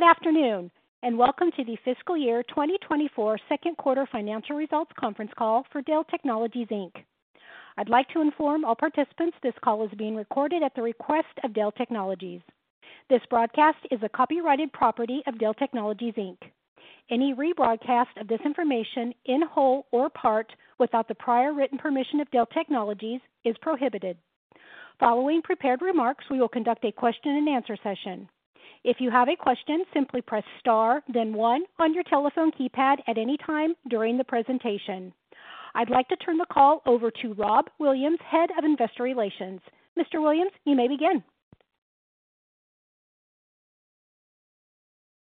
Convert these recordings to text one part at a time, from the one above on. Good afternoon, and welcome to the fiscal year 2024 second quarter financial results conference call for Dell Technologies, Inc. I'd like to inform all participants this call is being recorded at the request of Dell Technologies. This broadcast is a copyrighted property of Dell Technologies, Inc. Any rebroadcast of this information in whole or part, without the prior written permission of Dell Technologies, is prohibited. Following prepared remarks, we will conduct a question-and-answer session. If you have a question, simply press star then one on your telephone keypad at any time during the presentation. I'd like to turn the call over to Rob Williams, Head of Investor Relations. Mr. Williams, you may begin.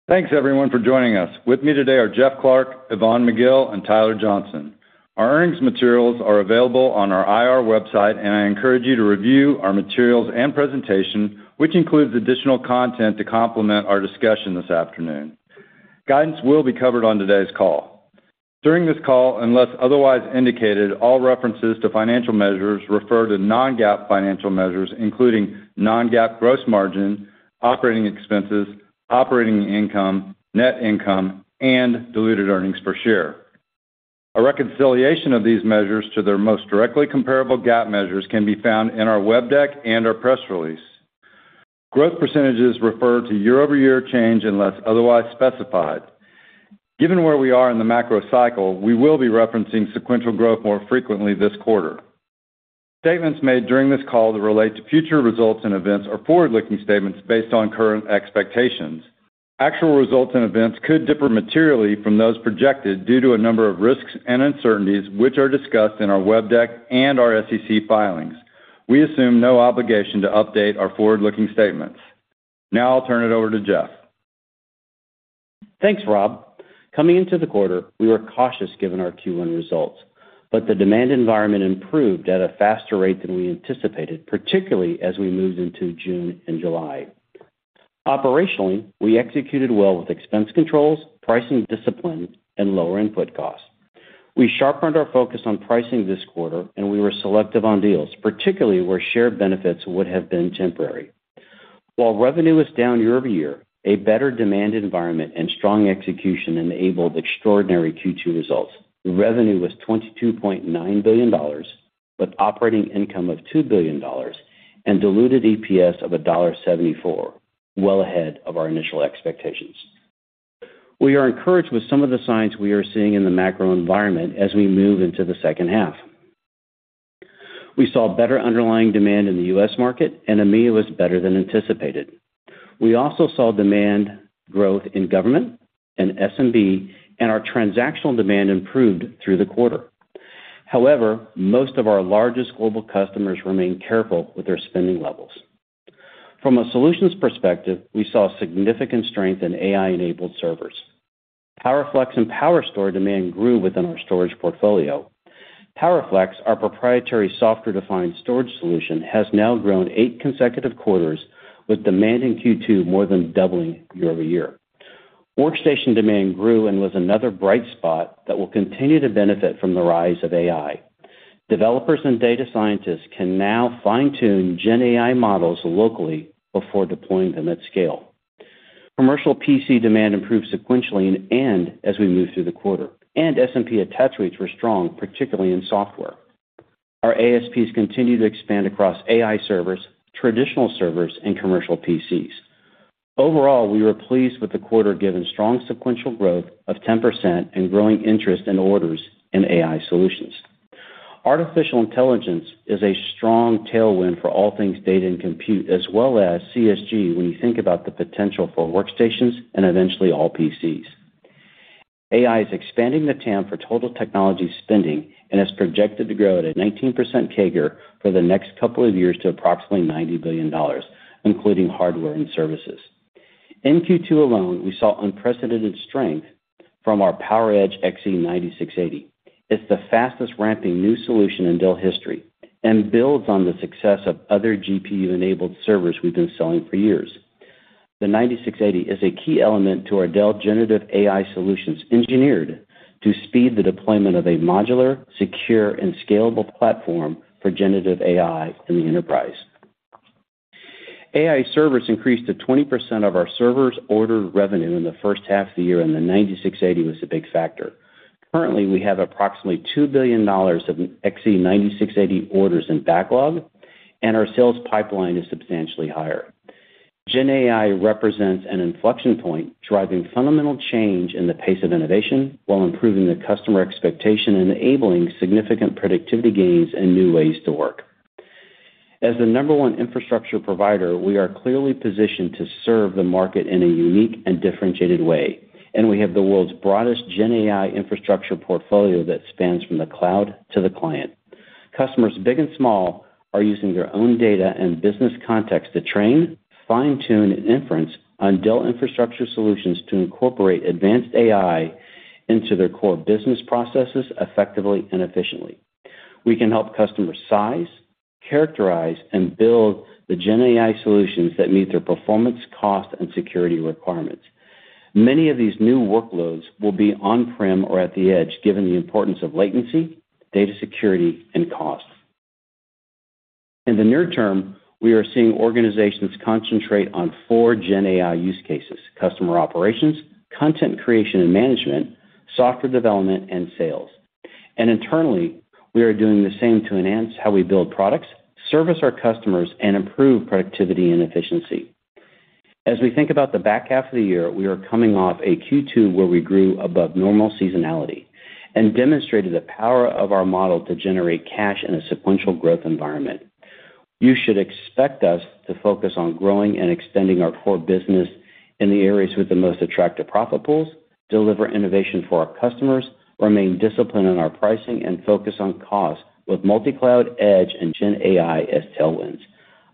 Thanks, everyone, for joining us. With me today are Jeff Clarke, Yvonne McGill, and Tyler Johnson. Our earnings materials are available on our IR website, and I encourage you to review our materials and presentation, which includes additional content to complement our discussion this afternoon. Guidance will be covered on today's call. During this call, unless otherwise indicated, all references to financial measures refer to non-GAAP financial measures, including non-GAAP gross margin, operating expenses, operating income, net income, and diluted earnings per share. A reconciliation of these measures to their most directly comparable GAAP measures can be found in our web deck and our press release. Growth percentages refer to year-over-year change unless otherwise specified. Given where we are in the macro cycle, we will be referencing sequential growth more frequently this quarter. Statements made during this call that relate to future results and events are forward-looking statements based on current expectations. Actual results and events could differ materially from those projected due to a number of risks and uncertainties, which are discussed in our web deck and our SEC filings. We assume no obligation to update our forward-looking statements. Now I'll turn it over to Jeff. Thanks, Rob. Coming into the quarter, we were cautious given our Q1 results, but the demand environment improved at a faster rate than we anticipated, particularly as we moved into June and July. Operationally, we executed well with expense controls, pricing discipline, and lower input costs. We sharpened our focus on pricing this quarter, and we were selective on deals, particularly where shared benefits would have been temporary. While revenue was down year-over-year, a better demand environment and strong execution enabled extraordinary Q2 results. Revenue was $22.9 billion, with operating income of $2 billion and diluted EPS of $1.74, well ahead of our initial expectations. We are encouraged with some of the signs we are seeing in the macro environment as we move into the second half. We saw better underlying demand in the U.S. market, and EMEA was better than anticipated. We also saw demand growth in government and SMB, and our transactional demand improved through the quarter. However, most of our largest global customers remain careful with their spending levels. From a solutions perspective, we saw significant strength in AI-enabled servers. PowerFlex and PowerStore demand grew within our storage portfolio. PowerFlex, our proprietary software-defined storage solution, has now grown eight consecutive quarters with demand in Q2 more than doubling year-over-year. Workstation demand grew and was another bright spot that will continue to benefit from the rise of AI. Developers and data scientists can now fine-tune GenAI models locally before deploying them at scale. Commercial PC demand improved sequentially and as we moved through the quarter, and S&P attach rates were strong, particularly in software. Our ASPs continued to expand across AI servers, traditional servers, and commercial PCs. Overall, we were pleased with the quarter, given strong sequential growth of 10% and growing interest in orders in AI solutions. Artificial intelligence is a strong tailwind for all things data and compute, as well as CSG, when you think about the potential for workstations and eventually all PCs. AI is expanding the TAM for total technology spending and is projected to grow at a 19% CAGR for the next couple of years to approximately $90 billion, including hardware and services. In Q2 alone, we saw unprecedented strength from our PowerEdge XE9680. It's the fastest ramping new solution in Dell history and builds on the success of other GPU-enabled servers we've been selling for years. The 9680 is a key element to our Dell Generative AI Solutions, engineered to speed the deployment of a modular, secure, and scalable platform for generative AI in the enterprise. AI servers increased to 20% of our servers' order revenue in the first half of the year, and the 9680 was a big factor. Currently, we have approximately $2 billion of XE9680 orders in backlog, and our sales pipeline is substantially higher. GenAI represents an inflection point, driving fundamental change in the pace of innovation while improving the customer expectation and enabling significant productivity gains and new ways to work. As the number one infrastructure provider, we are clearly positioned to serve the market in a unique and differentiated way, and we have the world's broadest GenAI infrastructure portfolio that spans from the cloud to the client. Customers big and small are using their own data and business context to train, fine-tune, and inference on Dell infrastructure solutions to incorporate advanced AI into their core business processes effectively and efficiently. We can help customers size, characterize, and build the GenAI solutions that meet their performance, cost, and security requirements. Many of these new workloads will be on-prem or at the edge, given the importance of latency, data security, and cost. In the near term, we are seeing organizations concentrate on four GenAI use cases: customer operations, content creation and management, software development, and sales. Internally, we are doing the same to enhance how we build products, service our customers, and improve productivity and efficiency. As we think about the back half of the year, we are coming off a Q2 where we grew above normal seasonality and demonstrated the power of our model to generate cash in a sequential growth environment. You should expect us to focus on growing and extending our core business in the areas with the most attractive profit pools, deliver innovation for our customers, remain disciplined in our pricing, and focus on cost with multicloud edge and GenAI as tailwinds.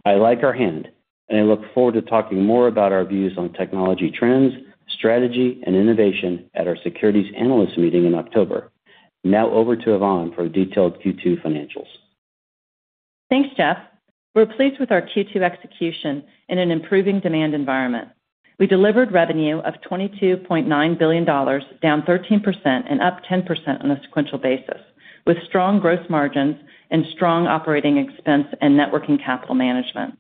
I like our hand, and I look forward to talking more about our views on technology trends, strategy, and innovation at our Securities Analyst Meeting in October. Now over to Yvonne for detailed Q2 financials. Thanks, Jeff. We're pleased with our Q2 execution in an improving demand environment. We delivered revenue of $22.9 billion, down 13% and up 10% on a sequential basis, with strong growth margins and strong operating expense and net working capital management.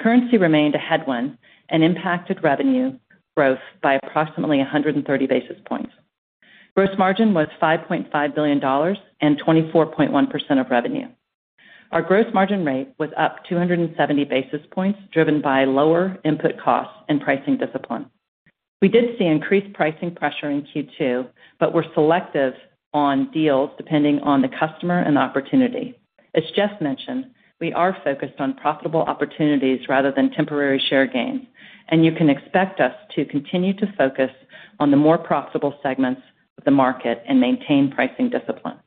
Currency remained a headwind and impacted revenue growth by approximately 130 basis points. Gross margin was $5.5 billion and 24.1% of revenue. Our gross margin rate was up 270 basis points, driven by lower input costs and pricing discipline. We did see increased pricing pressure in Q2, but we're selective on deals depending on the customer and opportunity. As Jeff mentioned, we are focused on profitable opportunities rather than temporary share gains, and you can expect us to continue to focus on the more profitable segments of the market and maintain pricing discipline.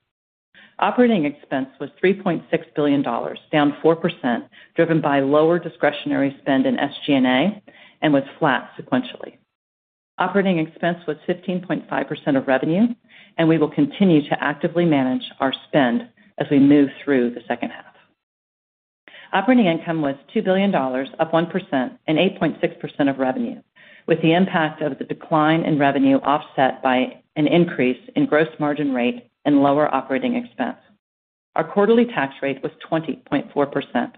Operating expense was $3.6 billion, down 4%, driven by lower discretionary spend in SG&A and was flat sequentially. Operating expense was 15.5% of revenue, and we will continue to actively manage our spend as we move through the second half. Operating income was $2 billion, up 1% and 8.6% of revenue, with the impact of the decline in revenue offset by an increase in gross margin rate and lower operating expense. Our quarterly tax rate was 20.4%.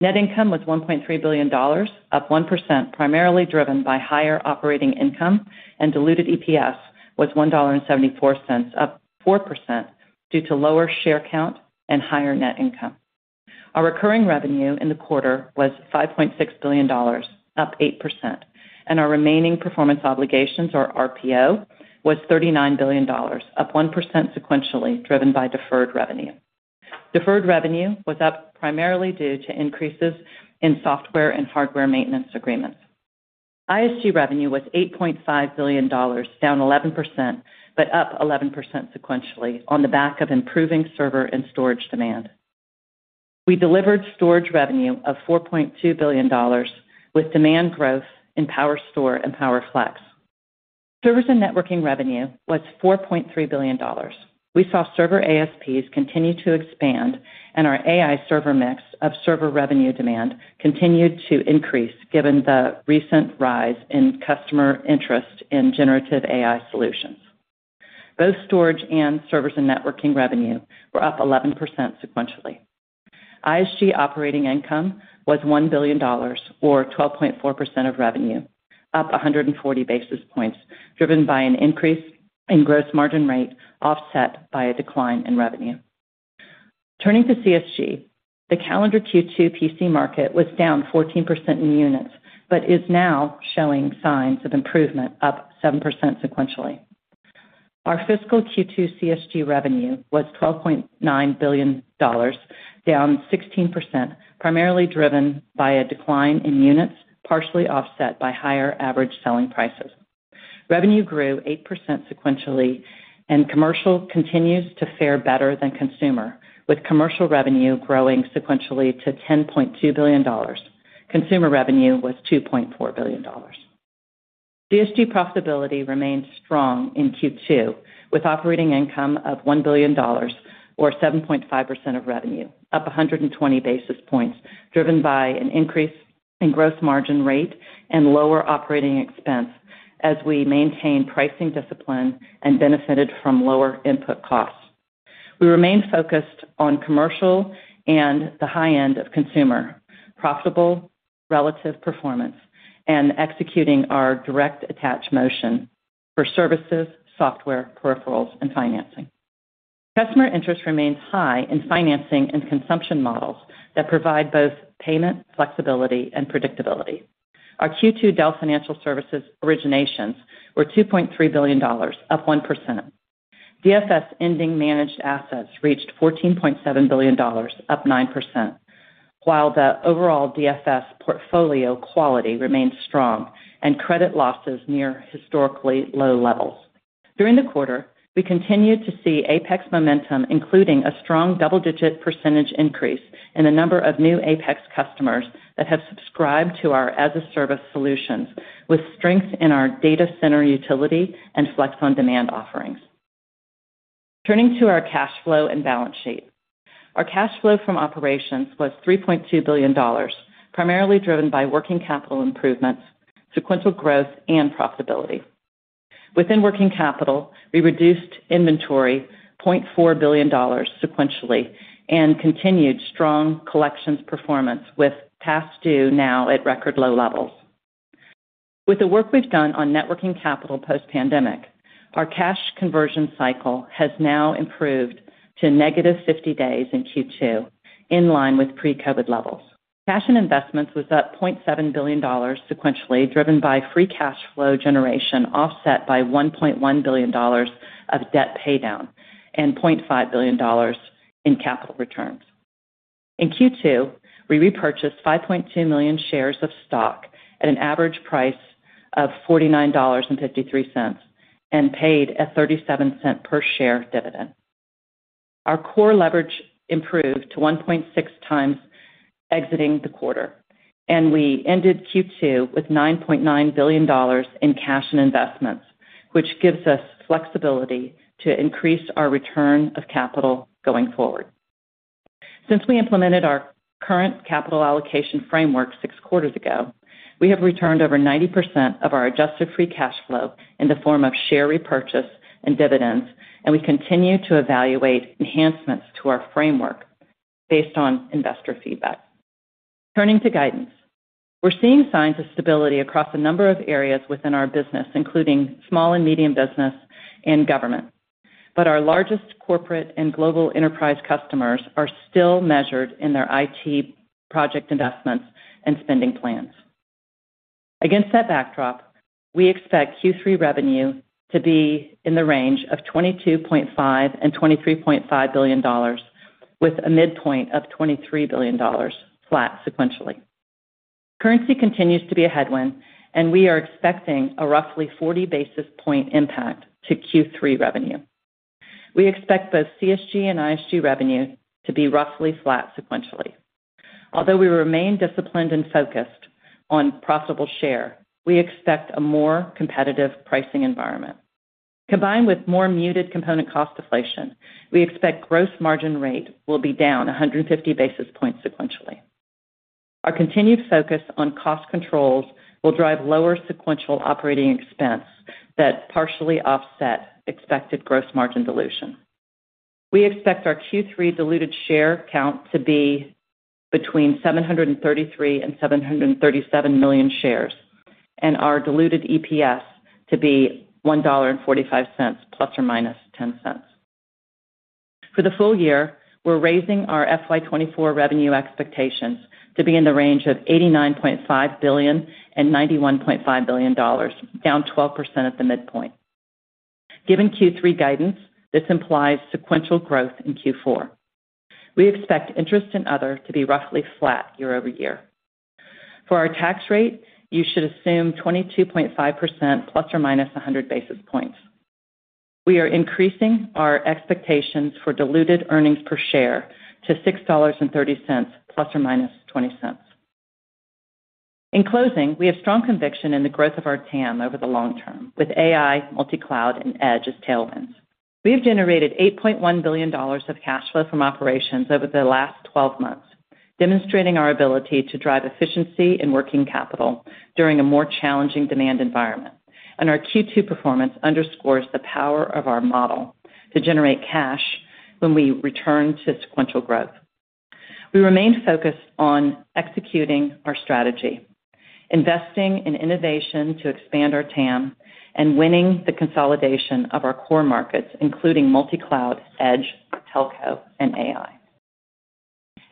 Net income was $1.3 billion, up 1%, primarily driven by higher operating income, and diluted EPS was $1.74, up 4% due to lower share count and higher net income. Our recurring revenue in the quarter was $5.6 billion, up 8%, and our remaining performance obligations, or RPO, was $39 billion, up 1% sequentially, driven by deferred revenue. Deferred revenue was up primarily due to increases in software and hardware maintenance agreements. ISG revenue was $8.5 billion, down 11%, but up 11% sequentially on the back of improving server and storage demand. We delivered storage revenue of $4.2 billion, with demand growth in PowerStore and PowerFlex. Servers and networking revenue was $4.3 billion. We saw server ASPs continue to expand, and our AI server mix of server revenue demand continued to increase, given the recent rise in customer interest in generative AI solutions. Both storage and servers and networking revenue were up 11% sequentially. ISG operating income was $1 billion, or 12.4% of revenue, up 140 basis points, driven by an increase in gross margin rate, offset by a decline in revenue. Turning to CSG, the calendar Q2 PC market was down 14% in units, but is now showing signs of improvement, up 7% sequentially. Our fiscal Q2 CSG revenue was $12.9 billion, down 16%, primarily driven by a decline in units, partially offset by higher average selling prices. Revenue grew 8% sequentially, and commercial continues to fare better than consumer, with commercial revenue growing sequentially to $10.2 billion. Consumer revenue was $2.4 billion. CSG profitability remained strong in Q2, with operating income of $1 billion, or 7.5% of revenue, up 120 basis points, driven by an increase in gross margin rate and lower operating expense as we maintain pricing discipline and benefited from lower input costs. We remain focused on commercial and the high end of consumer, profitable relative performance, and executing our direct attach motion for services, software, peripherals, and financing. Customer interest remains high in financing and consumption models that provide both payment, flexibility, and predictability. Our Q2 Dell Financial Services originations were $2.3 billion, up 1%. DFS ending managed assets reached $14.7 billion, up 9%, while the overall DFS portfolio quality remains strong and credit losses near historically low levels. During the quarter, we continued to see APEX momentum, including a strong double-digit percentage increase in the number of new APEX customers that have subscribed to our as-a-service solutions, with strength in our Data Center Utility and Flex on Demand offerings. Turning to our cash flow and balance sheet. Our cash flow from operations was $3.2 billion, primarily driven by working capital improvements, sequential growth, and profitability. Within working capital, we reduced inventory $0.4 billion sequentially and continued strong collections performance, with past due now at record low levels. With the work we've done on working capital post-pandemic, our cash conversion cycle has now improved to -50 days in Q2, in line with pre-COVID levels. Cash and investments was up $0.7 billion sequentially, driven by free cash flow generation, offset by $1.1 billion of debt paydown and $0.5 billion in capital returns. In Q2, we repurchased 5.2 million shares of stock at an average price of $49.53, and paid a $0.37 per share dividend. Our core leverage improved to 1.6x exiting the quarter, and we ended Q2 with $9.9 billion in cash and investments, which gives us flexibility to increase our return of capital going forward. Since we implemented our current capital allocation framework six quarters ago, we have returned over 90% of our adjusted free cash flow in the form of share repurchase and dividends, and we continue to evaluate enhancements to our framework based on investor feedback. Turning to guidance. We're seeing signs of stability across a number of areas within our business, including small and medium business and government. But our largest corporate and global enterprise customers are still measured in their IT project investments and spending plans. Against that backdrop, we expect Q3 revenue to be in the range of $22.5 billion-$23.5 billion, with a midpoint of $23 billion, flat sequentially. Currency continues to be a headwind, and we are expecting a roughly 40 basis point impact to Q3 revenue. We expect both CSG and ISG revenue to be roughly flat sequentially. Although we remain disciplined and focused on profitable share, we expect a more competitive pricing environment. Combined with more muted component cost deflation, we expect gross margin rate will be down 150 basis points sequentially. Our continued focus on cost controls will drive lower sequential operating expense that partially offset expected gross margin dilution. We expect our Q3 diluted share count to be between 733 and 737 million shares, and our diluted EPS to be $1.45 ± $0.10. For the full year, we're raising our FY 2024 revenue expectations to be in the range of $89.5 billion-$91.5 billion, down 12% at the midpoint. Given Q3 guidance, this implies sequential growth in Q4. We expect interest and other to be roughly flat year-over-year. For our tax rate, you should assume 22.5% ±100 basis points. We are increasing our expectations for diluted earnings per share to $6.30 ± $0.20. In closing, we have strong conviction in the growth of our TAM over the long term, with AI, multicloud, and Edge as tailwinds. We have generated $8.1 billion of cash flow from operations over the last 12 months, demonstrating our ability to drive efficiency and working capital during a more challenging demand environment. Our Q2 performance underscores the power of our model to generate cash when we return to sequential growth. We remain focused on executing our strategy, investing in innovation to expand our TAM, and winning the consolidation of our core markets, including multicloud, Edge, Telco, and AI.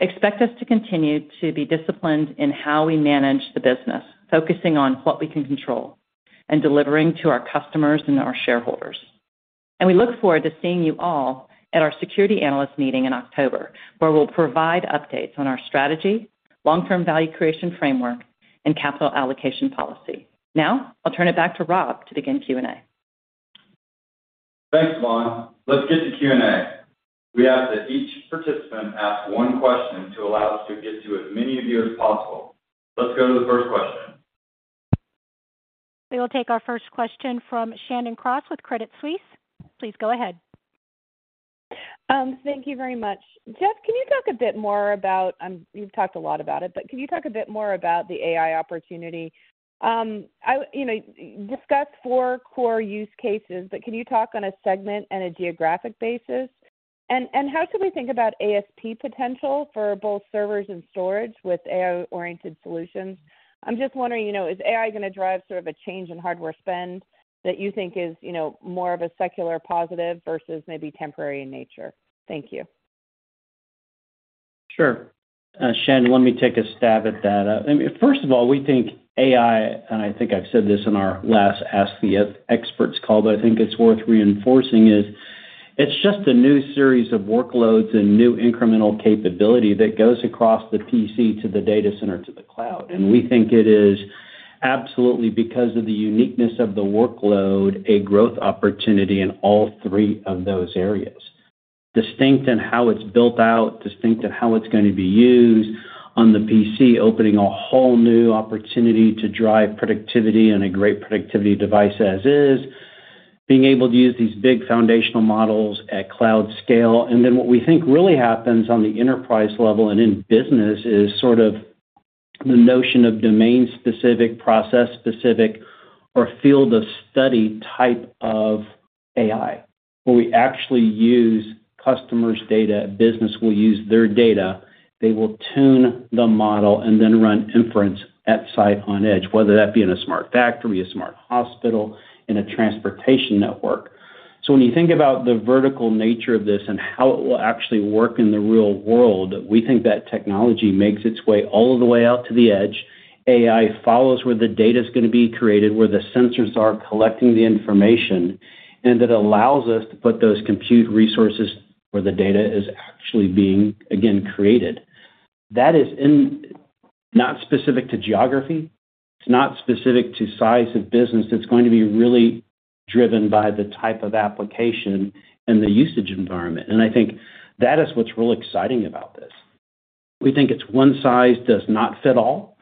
Expect us to continue to be disciplined in how we manage the business, focusing on what we can control and delivering to our customers and our shareholders. We look forward to seeing you all at our Security Analyst Meeting in October, where we'll provide updates on our strategy, long-term value creation framework, and capital allocation policy. Now I'll turn it back to Rob to begin Q&A. Thanks, Yvonne. Let's get to Q&A. We ask that each participant ask one question to allow us to get to as many of you as possible. Let's go to the first question. We will take our first question from Shannon Cross with Credit Suisse. Please go ahead. Thank you very much. Jeff, can you talk a bit more about, you've talked a lot about it, but can you talk a bit more about the AI opportunity? I, you know, discuss four core use cases, but can you talk on a segment and a geographic basis? And how should we think about ASP potential for both servers and storage with AI-oriented solutions? I'm just wondering, you know, is AI going to drive sort of a change in hardware spend that you think is, you know, more of a secular positive versus maybe temporary in nature? Thank you. Sure. Shannon, let me take a stab at that. First of all, we think AI, and I think I've said this in our last Ask the Experts call, but I think it's worth reinforcing, is it's just a new series of workloads and new incremental capability that goes across the PC to the data center to the cloud. And we think it is absolutely, because of the uniqueness of the workload, a growth opportunity in all three of those areas. Distinct in how it's built out, distinct in how it's going to be used on the PC, opening a whole new opportunity to drive productivity and a great productivity device as is, being able to use these big foundational models at cloud scale. And then what we think really happens on the enterprise level and in business is sort of-... the notion of domain-specific, process-specific, or field of study type of AI, where we actually use customers' data, a business will use their data, they will tune the model and then run inference at site on edge, whether that be in a smart factory, a smart hospital, in a transportation network. So when you think about the vertical nature of this and how it will actually work in the real world, we think that technology makes its way all the way out to the edge. AI follows where the data is going to be created, where the sensors are collecting the information, and that allows us to put those compute resources where the data is actually being, again, created. That is not specific to geography, it's not specific to size of business. It's going to be really driven by the type of application and the usage environment. And I think that is what's really exciting about this. We think it's one size does not fit all.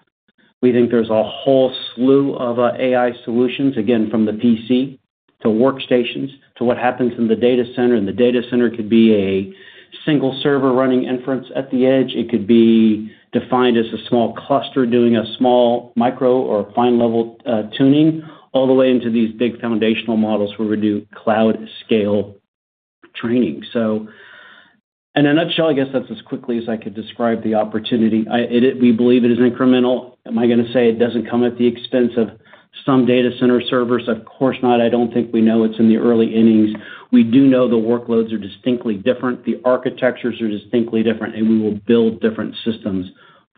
We think there's a whole slew of AI solutions, again, from the PC to workstations to what happens in the data center. And the data center could be a single server running inference at the edge. It could be defined as a small cluster doing a small micro or fine-level tuning, all the way into these big foundational models where we do cloud scale training. So in a nutshell, I guess that's as quickly as I could describe the opportunity. It is. We believe it is incremental. Am I going to say it doesn't come at the expense of some data center servers? Of course not. I don't think we know it's in the early innings. We do know the workloads are distinctly different, the architectures are distinctly different, and we will build different systems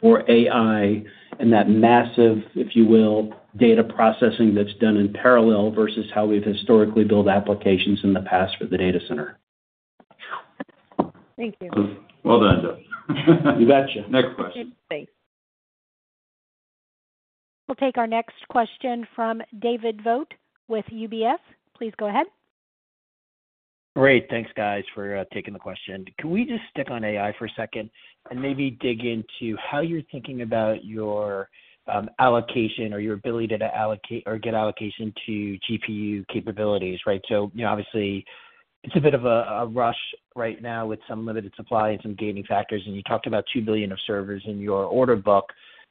for AI and that massive, if you will, data processing that's done in parallel versus how we've historically built applications in the past for the data center. Thank you. Well done, Jeff. You gotcha. Next question. We'll take our next question from David Vogt with UBS. Please go ahead. Great. Thanks, guys, for taking the question. Can we just stick on AI for a second and maybe dig into how you're thinking about your allocation or your ability to allocate or get allocation to GPU capabilities? Right. So obviously, it's a bit of a rush right now with some limited supply and some gating factors, and you talked about $2 billion of servers in your order book.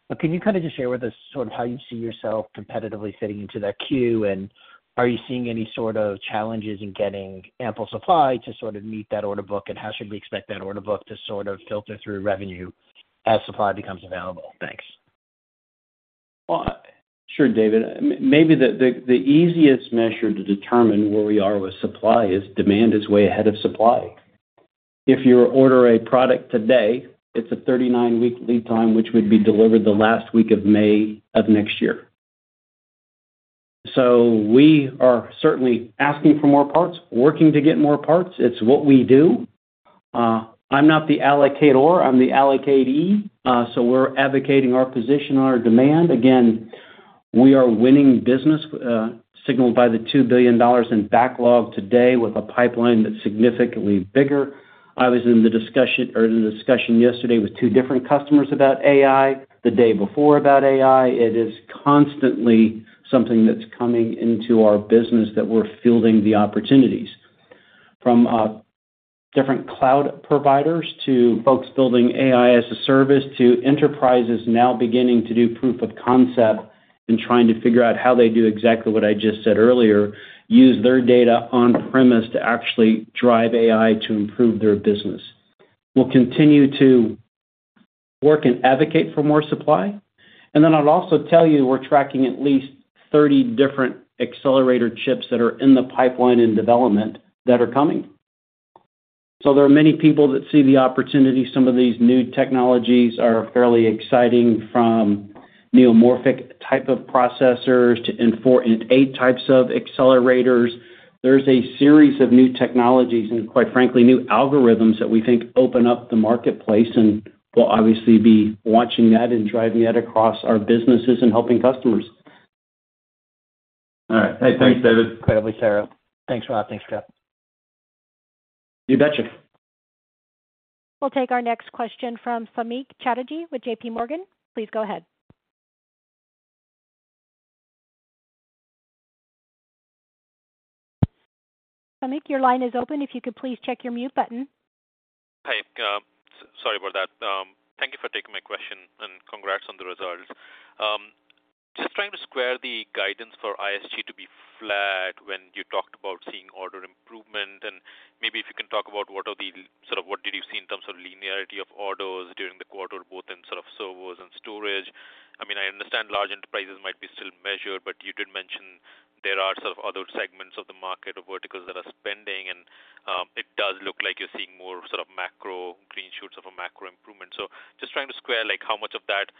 But can you just share with us sort of how you see yourself competitively fitting into that queue? And are you seeing any sort of challenges in getting ample supply to sort of meet that order book? And how should we expect that order book to sort of filter through revenue as supply becomes available? Thanks. Well, sure, David. Maybe the easiest measure to determine where we are with supply is demand is way ahead of supply. If you order a product today, it's a 39-week lead time, which would be delivered the last week of May of next year. So we are certainly asking for more parts, working to get more parts. It's what we do. I'm not the allocator, I'm the allocatee, so we're advocating our position on our demand. Again, we are winning business, signaled by the $2 billion in backlog today with a pipeline that's significantly bigger. I was in the discussion or in a discussion yesterday with two different customers about AI, the day before about AI. It is constantly something that's coming into our business that we're fielding the opportunities. From different cloud providers to folks building AI as a service, to enterprises now beginning to do proof of concept and trying to figure out how they do exactly what I just said earlier, use their data on premise to actually drive AI to improve their business. We'll continue to work and advocate for more supply. And then I'd also tell you, we're tracking at least 30 different accelerator chips that are in the pipeline in development that are coming. So there are many people that see the opportunity. Some of these new technologies are fairly exciting, from neuromorphic type of processors to INT4 and INT8 types of accelerators. There's a series of new technologies and, quite frankly, new algorithms that we think open up the marketplace, and we'll obviously be watching that and driving that across our businesses and helping customers. All right. Hey, thanks, David. Operator, Sarah. Thanks, Rob. Thanks, Jeff. You betcha. We'll take our next question from Samik Chatterjee with JP Morgan. Please go ahead. Samik, your line is open, if you could please check your mute button. Hi, sorry about that. Thank you for taking my question, and congrats on the results. Just trying to square the guidance for ISG to be flat when you talked about seeing order improvement, and maybe if you can talk about what did you see in terms of linearity of orders during the quarter, both in sort of servers and storage? I mean, I understand large enterprises might be still measured, but you did mention there are sort of other segments of the market or verticals that are spending, and it does look like you're seeing more sort of macro green shoots of a macro improvement. So just trying to square, like, how much of that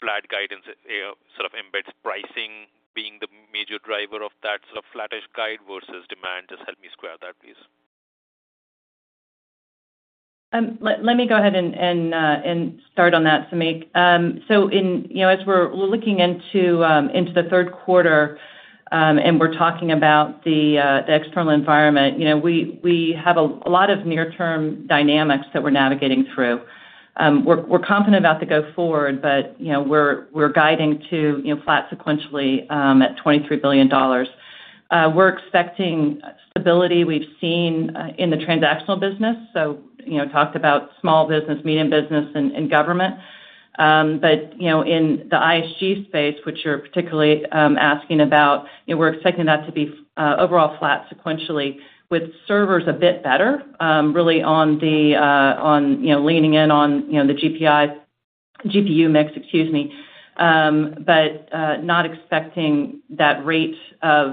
flat guidance sort of embeds pricing being the major driver of that sort of flattish guide versus demand. Just help me square that, please. Let me go ahead and start on that, Samik. So in... You know, as we're looking into the third quarter, and we're talking about the external environment, you know, we have a lot of near-term dynamics that we're navigating through. We're confident about the go forward, but, you know, we're guiding to, you know, flat sequentially at $23 billion.... we're expecting stability we've seen in the transactional business. So, you know, talked about small business, medium business, and government. But, you know, in the ISG space, which you're particularly asking about, you know, we're expecting that to be overall flat sequentially, with servers a bit better, really on the, you know, leaning in on the GPU mix, excuse me. But not expecting that rate of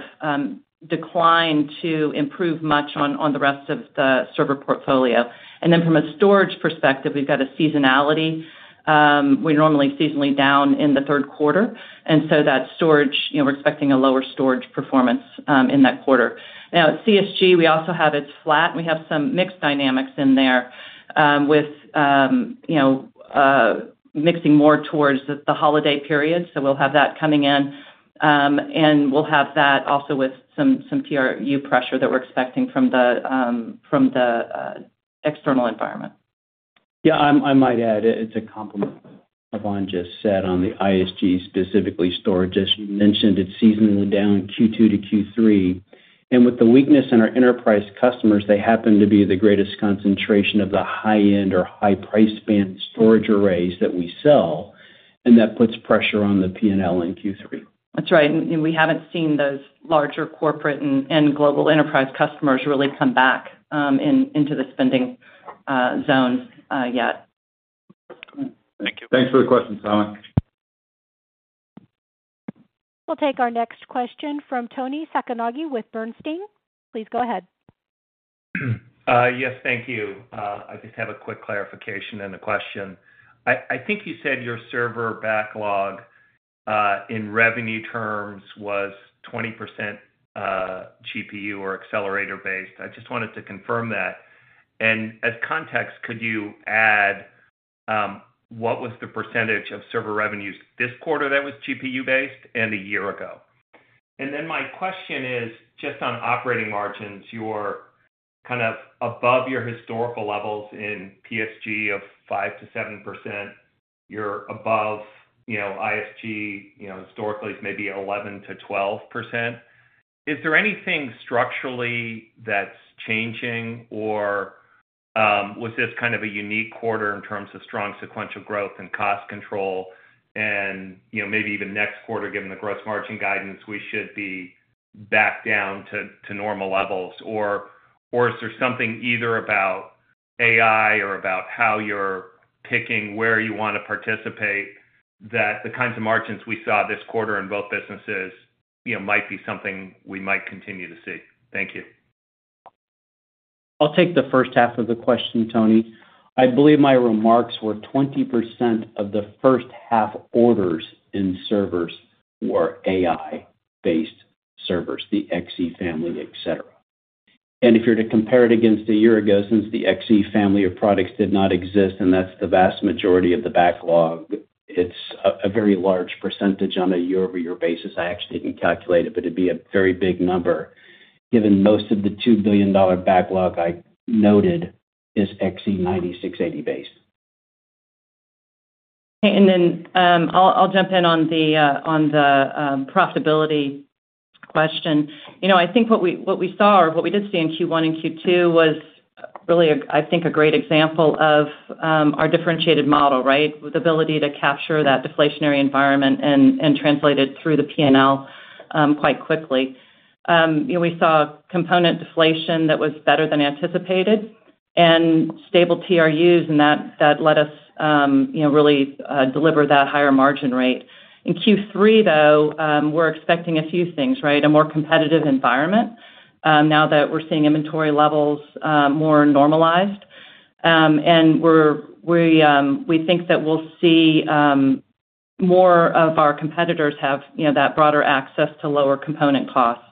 decline to improve much on the rest of the server portfolio. And then from a storage perspective, we've got a seasonality. We're normally seasonally down in the third quarter, and so that storage, you know, we're expecting a lower storage performance in that quarter. Now at CSG, we also have it's flat, and we have some mixed dynamics in there, with you know, mixing more towards the holiday period. So we'll have that coming in, and we'll have that also with some AUR pressure that we're expecting from the external environment. Yeah, I might add, it's a comment Yvonne just said on the ISG, specifically storage. As you mentioned, it's seasonally down Q2-Q3. And with the weakness in our enterprise customers, they happen to be the greatest concentration of the high end or high price span storage arrays that we sell, and that puts pressure on the P&L in Q3. That's right. And we haven't seen those larger corporate and global enterprise customers really come back into the spending zones yet. Thank you. Thanks for the question, Samik. We'll take our next question from Toni Sacconaghi with Bernstein. Please go ahead. Yes, thank you. I just have a quick clarification and a question. I think you said your server backlog in revenue terms was 20%, GPU or accelerator based. I just wanted to confirm that. And as context, could you add what was the percentage of server revenues this quarter that was GPU-based and a year ago? And then my question is, just on operating margins, you're kind of above your historical levels in CSG of 5%-7%. You're above, you know, ISG, you know, historically is maybe 11%-12%. Is there anything structurally that's changing, or was this kind of a unique quarter in terms of strong sequential growth and cost control? You know, maybe even next quarter, given the gross margin guidance, we should be back down to normal levels, or is there something either about AI or about how you're picking where you want to participate, that the kinds of margins we saw this quarter in both businesses, you know, might be something we might continue to see? Thank you. I'll take the first half of the question, Toni. I believe my remarks were 20% of the first half orders in servers were AI-based servers, the XE family, et cetera. And if you're to compare it against a year ago, since the XE family of products did not exist, and that's the vast majority of the backlog, it's a very large percentage on a year-over-year basis. I actually didn't calculate it, but it'd be a very big number, given most of the $2 billion backlog I noted is XE9680 based. And then, I'll jump in on the profitability question. You know, I think what we saw, or what we did see in Q1 and Q2 was really a, I think, a great example of our differentiated model, right? With ability to capture that deflationary environment and translate it through the P&L quite quickly. We saw component deflation that was better than anticipated and stable AURs, and that let us, you know, really deliver that higher margin rate. In Q3, though, we're expecting a few things, right? A more competitive environment, now that we're seeing inventory levels more normalized. And we think that we'll see more of our competitors have, you know, that broader access to lower component costs.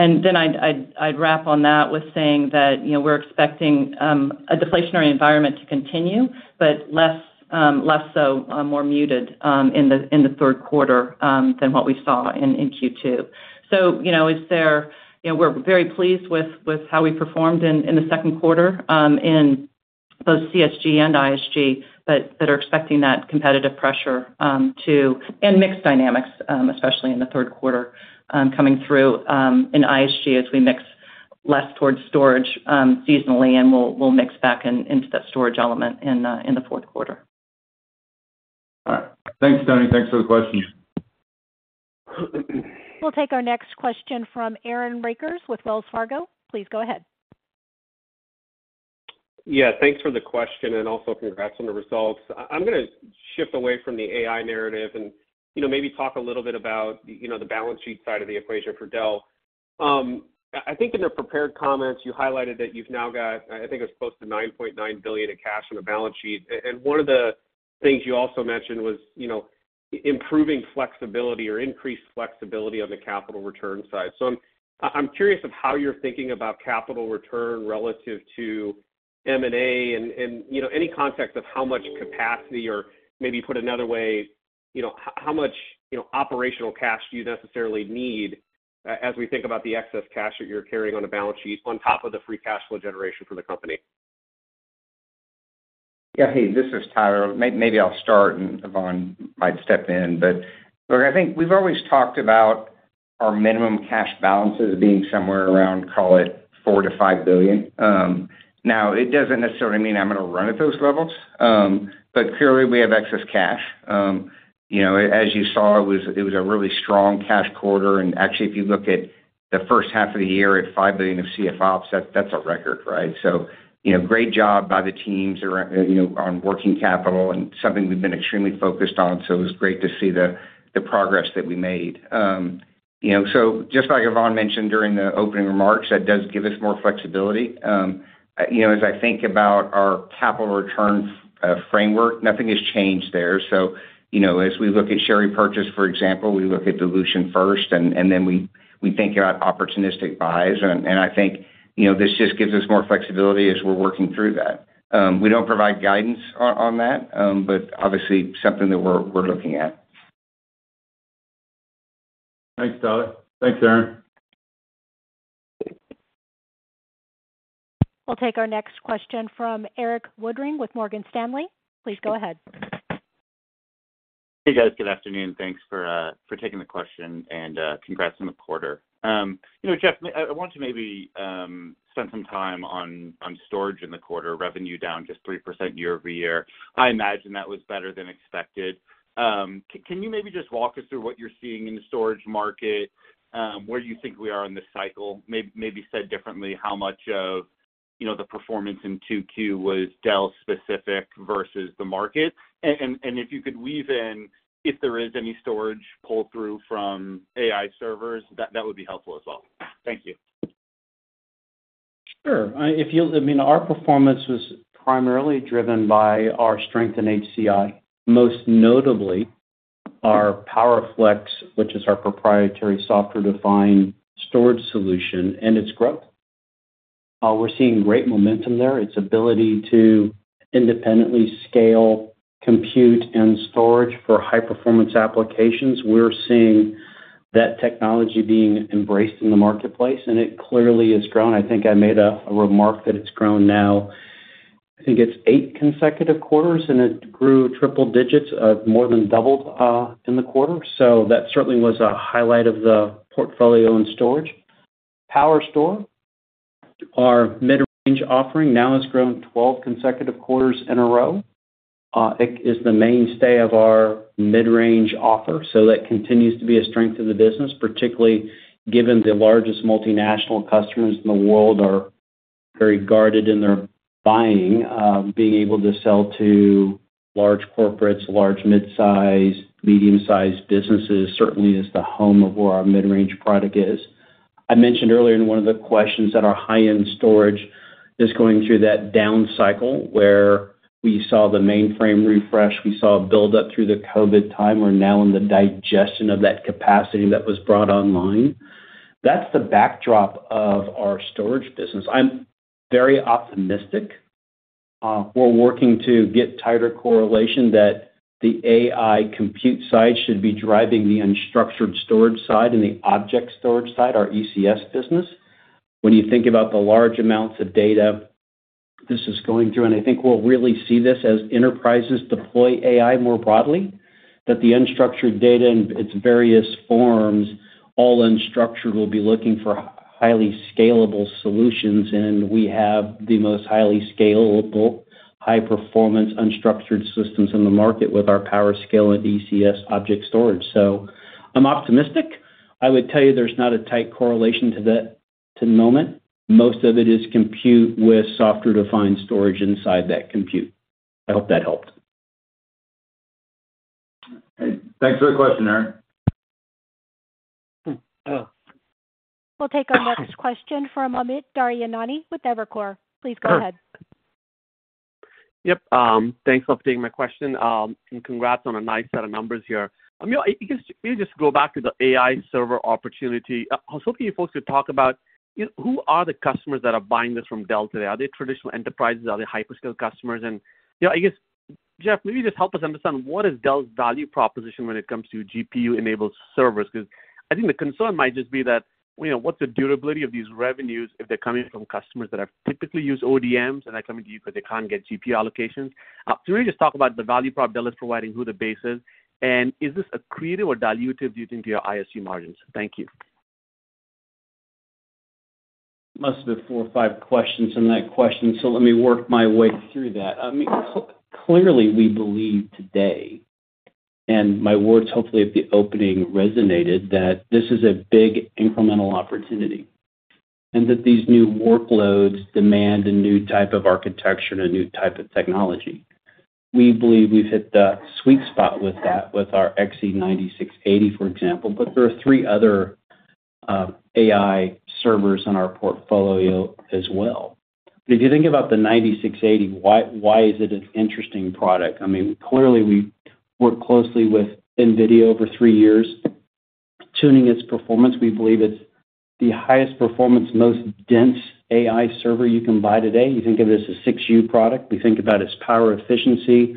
And then I'd wrap on that with saying that, you know, we're expecting a deflationary environment to continue, but less so, more muted in the third quarter than what we saw in Q2. So, you know, is there... You know, we're very pleased with how we performed in the second quarter in both CSG and ISG, but that are expecting that competitive pressure to... And mixed dynamics, especially in the third quarter, coming through in ISG, as we mix less towards storage seasonally, and we'll mix back into that storage element in the fourth quarter. All right. Thanks, Toni. Thanks for the question. We'll take our next question from Aaron Rakers with Wells Fargo. Please go ahead. Yeah, thanks for the question, and also congrats on the results. I'm gonna shift away from the AI narrative and, you know, maybe talk a little bit about, you know, the balance sheet side of the equation for Dell. I think in the prepared comments, you highlighted that you've now got, I think it was close to $9.9 billion in cash on the balance sheet. And one of the things you also mentioned was, you know, improving flexibility or increased flexibility on the capital return side. So I'm curious of how you're thinking about capital return relative to M&A, and you know, any context of how much capacity, or maybe put another way, you know, how much, you know, operational cash do you necessarily need, as we think about the excess cash that you're carrying on a balance sheet, on top of the free cash flow generation for the company?... Yeah. Hey, this is Tyler. Maybe I'll start, and Yvonne might step in. But look, I think we've always talked about our minimum cash balances being somewhere around, call it, $4 billion-$5 billion. Now, it doesn't necessarily mean I'm gonna run at those levels, but clearly, we have excess cash. You know, as you saw, it was a really strong cash quarter. And actually, if you look at the first half of the year, $5 billion of CFO offset, that's a record, right? So, you know, great job by the teams around, you know, on working capital and something we've been extremely focused on. So it was great to see the progress that we made. You know, so just like Yvonne mentioned during the opening remarks, that does give us more flexibility. You know, as I think about our capital return framework, nothing has changed there. So, you know, as we look at share repurchase, for example, we look at dilution first, and then we think about opportunistic buys. And I think, you know, this just gives us more flexibility as we're working through that. We don't provide guidance on that, but obviously, something that we're looking at. Thanks, Tyler. Thanks, Aaron. We'll take our next question from Eric Woodring with Morgan Stanley. Please go ahead. Hey, guys. Good afternoon. Thanks for taking the question, and congrats on the quarter. You know, Jeff, I want to maybe spend some time on storage in the quarter, revenue down just 3% year-over-year. I imagine that was better than expected. Can you maybe just walk us through what you're seeing in the storage market? Where do you think we are in this cycle? Maybe said differently, how much of, you know, the performance in 2Q was Dell-specific versus the market? And if you could weave in, if there is any storage pull-through from AI servers, that would be helpful as well. Thank you. Sure. I, if you-- I mean, our performance was primarily driven by our strength in HCI, most notably our PowerFlex, which is our proprietary software-defined storage solution and its growth. We're seeing great momentum there. Its ability to independently scale, compute, and storage for high-performance applications. We're seeing that technology being embraced in the marketplace, and it clearly has grown. I think I made a remark that it's grown now. I think it's eight consecutive quarters, and it grew triple digits, more than doubled, in the quarter. So that certainly was a highlight of the portfolio in storage. PowerStore, our mid-range offering, now has grown 12 consecutive quarters in a row, is the mainstay of our mid-range offer. So that continues to be a strength of the business, particularly given the largest multinational customers in the world are very guarded in their buying. Being able to sell to large corporates, large mid-size, medium-sized businesses, certainly is the home of where our mid-range product is. I mentioned earlier in one of the questions that our high-end storage is going through that down cycle, where we saw the mainframe refresh, we saw a buildup through the COVID time. We're now in the digestion of that capacity that was brought online. That's the backdrop of our storage business. I'm very optimistic. We're working to get tighter correlation that the AI compute side should be driving the unstructured storage side and the object storage side, our ECS business. When you think about the large amounts of data this is going through, and I think we'll really see this as enterprises deploy AI more broadly, that the unstructured data in its various forms, all unstructured, will be looking for highly scalable solutions. We have the most highly scalable, high-performance, unstructured systems in the market with our PowerScale and ECS object storage. I'm optimistic. I would tell you there's not a tight correlation to that at the moment. Most of it is compute with software-defined storage inside that compute. I hope that helped. Thanks for the question, Aaron. We'll take our next question from Amit Daryanani with Evercore. Please go ahead. Yep, thanks for taking my question, and congrats on a nice set of numbers here. You know, if you could just go back to the AI server opportunity. I was hoping you folks could talk about, you know, who are the customers that are buying this from Dell today? Are they traditional enterprises? Are they hyper-scale customers? And, you know, I guess, Jeff, maybe just help us understand, what is Dell's value proposition when it comes to GPU-enabled servers? Because I think the concern might just be that, you know, what's the durability of these revenues if they're coming from customers that have typically used ODMs and are coming to you because they can't get GPU allocations. So maybe just talk about the value prop Dell is providing, who the base is, and is this accretive or dilutive, do you think, to your ISG margins? Thank you. Must have been four or five questions in that question, so let me work my way through that. I mean, clearly, we believe today, and my words, hopefully at the opening, resonated, that this is a big incremental opportunity, and that these new workloads demand a new type of architecture and a new type of technology. We believe we've hit the sweet spot with that, with our XE9680, for example, but there are three other AI servers in our portfolio as well. But if you think about the 9680, why, why is it an interesting product? I mean, clearly we worked closely with NVIDIA over three years, tuning its performance. We believe it's the highest performance, most dense AI server you can buy today. You think of it as a 6U product. We think about its power efficiency....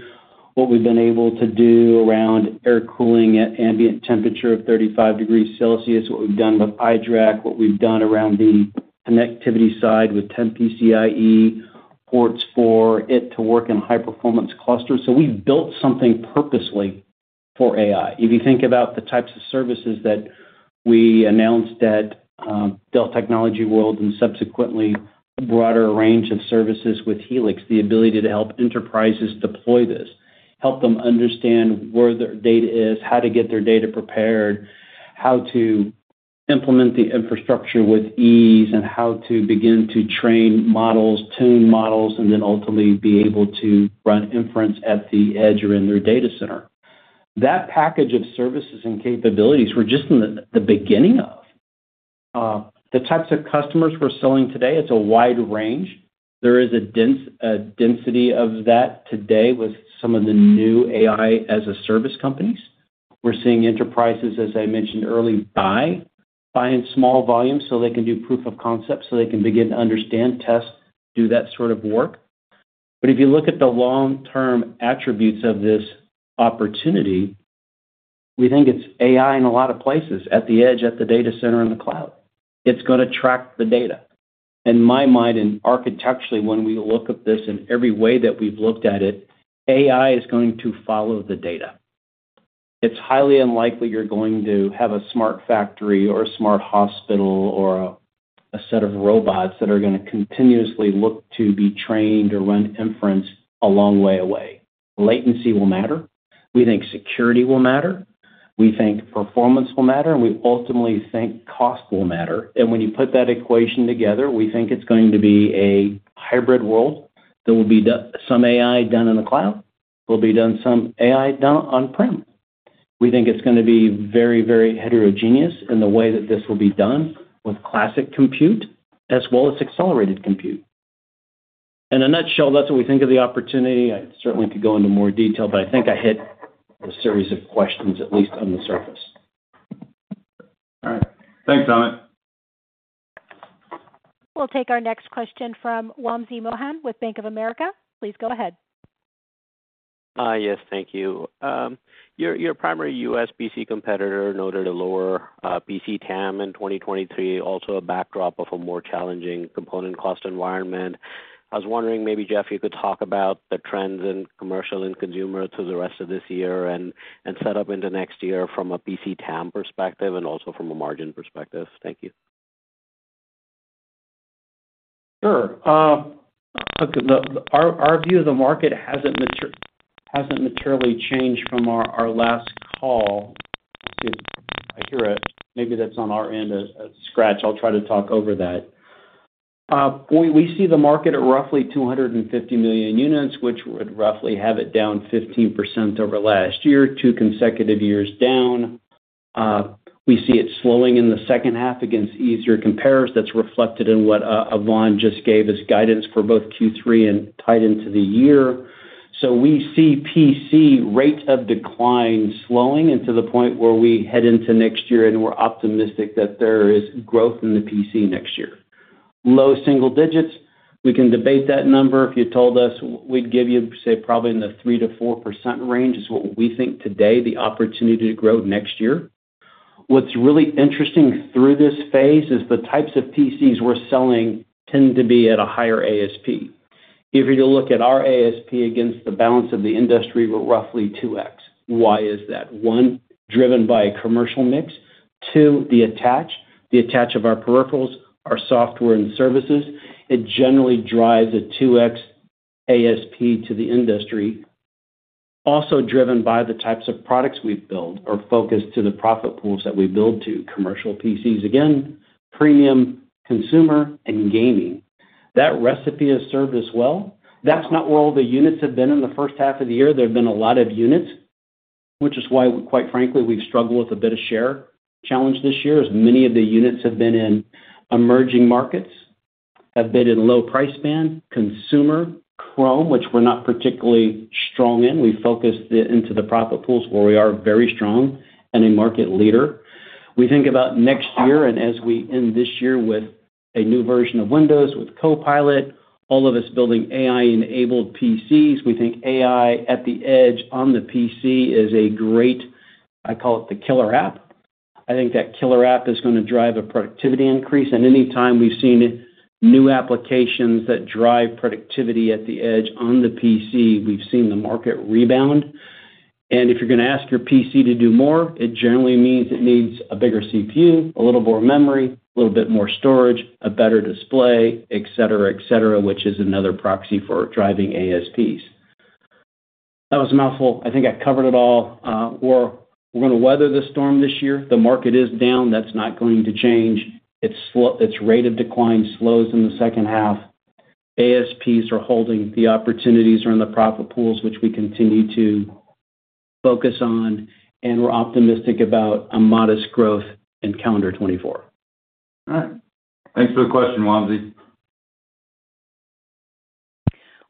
What we've been able to do around air cooling at ambient temperature of 35 degrees Celsius, what we've done with iDRAC, what we've done around the connectivity side with 10 PCIe ports for it to work in high-performance clusters. So we've built something purposely for AI. If you think about the types of services that we announced at Dell Technologies World, and subsequently, a broader range of services with Helix, the ability to help enterprises deploy this, help them understand where their data is, how to get their data prepared, how to implement the infrastructure with ease, and how to begin to train models, tune models, and then ultimately be able to run inference at the edge or in their data center. That package of services and capabilities, we're just in the beginning of. The types of customers we're selling today, it's a wide range. There is a density of that today with some of the new AI-as-a-service companies. We're seeing enterprises, as I mentioned earlier, buying small volumes so they can do proof of concept, so they can begin to understand tests, do that sort of work. But if you look at the long-term attributes of this opportunity, we think it's AI in a lot of places, at the edge, at the data center, in the cloud. It's gonna track the data. In my mind, and architecturally, when we look at this in every way that we've looked at it, AI is going to follow the data. It's highly unlikely you're going to have a smart factory or a smart hospital or a set of robots that are gonna continuously look to be trained or run inference a long way away. Latency will matter. We think security will matter. We think performance will matter, and we ultimately think cost will matter. And when you put that equation together, we think it's going to be a hybrid world. There will be some AI done in the cloud, there will be some AI done on-prem. We think it's gonna be very, very heterogeneous in the way that this will be done with classic compute as well as accelerated compute. In a nutshell, that's what we think of the opportunity. I certainly could go into more detail, but I think I hit a series of questions, at least on the surface. All right, thanks, Amit. We'll take our next question from Wamsi Mohan, with Bank of America. Please go ahead. Hi. Yes, thank you. Your, your primary U.S. PC competitor noted a lower PC TAM in 2023, also a backdrop of a more challenging component cost environment. I was wondering, maybe, Jeff, you could talk about the trends in commercial and consumer to the rest of this year and set up into next year from a PC TAM perspective and also from a margin perspective. Thank you. Sure, look, our view of the market hasn't materially changed from our last call. Excuse me. I hear a scratch. Maybe that's on our end. I'll try to talk over that. We see the market at roughly 250 million units, which would roughly have it down 15% over last year, two consecutive years down. We see it slowing in the second half against easier compares. That's reflected in what Ivan just gave as guidance for both Q3 and tied into the year. So we see PC rates of decline slowing, and to the point where we head into next year, and we're optimistic that there is growth in the PC next year. Low single digits, we can debate that number. If you told us, we'd give you, say, probably in the 3%-4% range, is what we think today, the opportunity to grow next year. What's really interesting through this phase is the types of PCs we're selling tend to be at a higher ASP. If you were to look at our ASP against the balance of the industry, we're roughly 2x. Why is that? One, driven by a commercial mix. Two, the attach, the attach of our peripherals, our software and services, it generally drives a 2x ASP to the industry. Also driven by the types of products we've built or focused to the profit pools that we build to commercial PCs. Again, premium consumer and gaming. That recipe has served us well. That's not where all the units have been in the first half of the year. There have been a lot of units, which is why, quite frankly, we've struggled with a bit of share challenge this year, as many of the units have been in emerging markets, have been in low price band, consumer, Chrome, which we're not particularly strong in. We've focused it into the profit pools where we are very strong and a market leader. We think about next year, and as we end this year with a new version of Windows, with Copilot, all of us building AI-enabled PCs, we think AI at the edge on the PC is a great... I call it the killer app. I think that killer app is gonna drive a productivity increase. And anytime we've seen new applications that drive productivity at the edge on the PC, we've seen the market rebound. If you're gonna ask your PC to do more, it generally means it needs a bigger CPU, a little more memory, a little bit more storage, a better display, et cetera, et cetera, which is another proxy for driving ASPs. That was a mouthful. I think I covered it all. We're gonna weather the storm this year. The market is down. That's not going to change. Its rate of decline slows in the second half. ASPs are holding. The opportunities are in the profit pools, which we continue to focus on, and we're optimistic about a modest growth in calendar 2024. All right. Thanks for the question, Wamsi.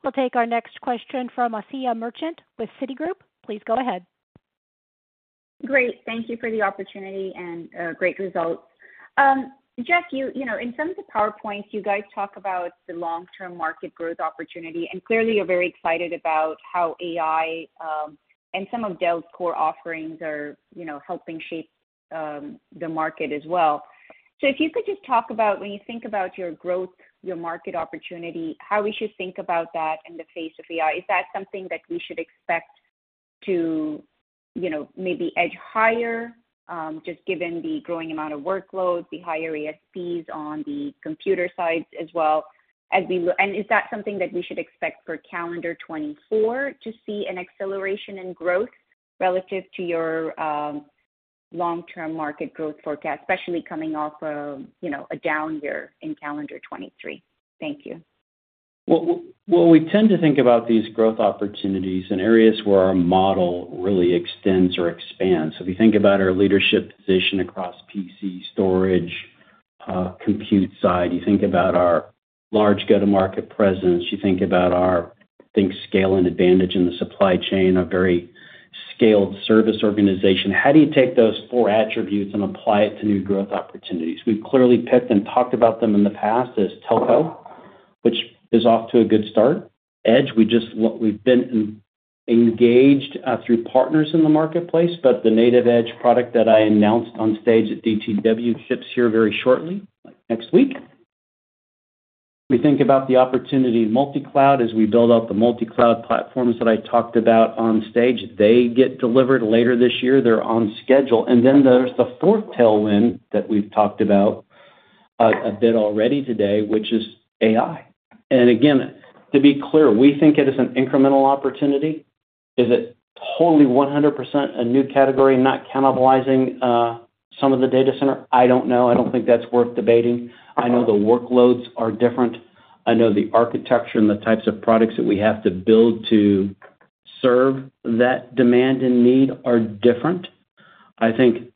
We'll take our next question from Asiya Merchant, with Citigroup. Please go ahead.... Great. Thank you for the opportunity and, great results. Jeff, you know, in some of the PowerPoints, you guys talk about the long-term market growth opportunity, and clearly, you're very excited about how AI and some of Dell's core offerings are, you know, helping shape the market as well. So if you could just talk about when you think about your growth, your market opportunity, how we should think about that in the face of AI? Is that something that we should expect to, you know, maybe edge higher, just given the growing amount of workload, the higher ASPs on the computer sides as well as we look...? Is that something that we should expect for calendar 2024 to see an acceleration in growth relative to your long-term market growth forecast, especially coming off a, you know, a down year in calendar 2023? Thank you. Well, we tend to think about these growth opportunities in areas where our model really extends or expands. So if you think about our leadership position across PC storage, compute side, you think about our large go-to-market presence, you think about our scale and advantage in the supply chain, a very scaled service organization. How do you take those four attributes and apply it to new growth opportunities? We've clearly picked and talked about them in the past as Telco, which is off to a good start. Edge, we've been engaged through partners in the marketplace, but the native Edge product that I announced on stage at DTW ships here very shortly, next week. We think about the opportunity multicloud, as we build out the multicloud platforms that I talked about on stage. They get delivered later this year. They're on schedule. Then there's the fourth tailwind that we've talked about, a bit already today, which is AI. And again, to be clear, we think it is an incremental opportunity. Is it totally 100% a new category, not cannibalizing, some of the data center? I don't know. I don't think that's worth debating. I know the workloads are different. I know the architecture and the types of products that we have to build to serve that demand and need are different. I think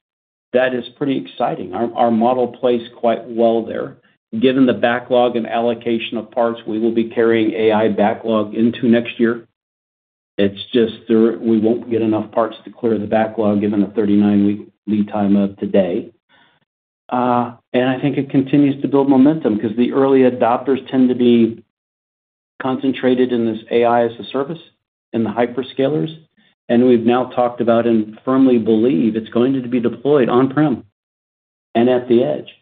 that is pretty exciting. Our, our model plays quite well there. Given the backlog and allocation of parts, we will be carrying AI backlog into next year. It's just there we won't get enough parts to clear the backlog, given the 39-week lead time of today. And I think it continues to build momentum because the early adopters tend to be concentrated in this AI as a service in the hyperscalers. We've now talked about and firmly believe it's going to be deployed on-prem and at the edge.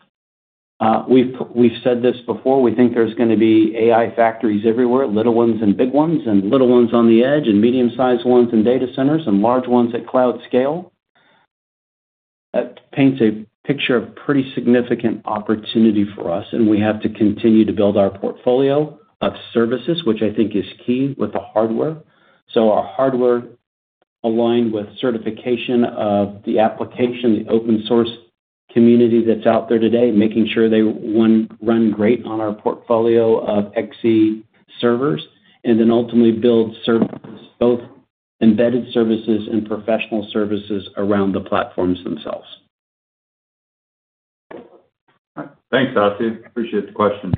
We've said this before. We think there's gonna be AI factories everywhere, little ones and big ones, and little ones on the edge, and medium-sized ones in data centers, and large ones at cloud scale. That paints a picture of pretty significant opportunity for us, and we have to continue to build our portfolio of services, which I think is key with the hardware. So our hardware aligned with certification of the application, the open source community that's out there today, making sure they run, run great on our portfolio of XE servers, and then ultimately build services, both embedded services and professional services around the platforms themselves. Thanks, Asiya. Appreciate the question.